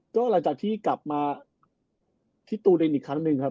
ก็หลังจากที่กลับมาที่ตูเดนอีกครั้งหนึ่งครับ